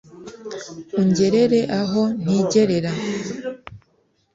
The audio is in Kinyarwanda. Ungerere aho ntigerera